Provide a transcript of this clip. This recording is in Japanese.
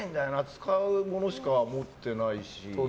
使うものしか持っていないし。